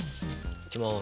いきます。